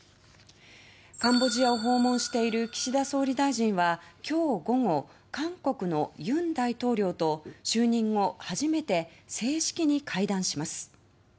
カンボジアを訪問している岸田総理大臣は今日午後、韓国の尹大統領と就任後初めて正式に会談します。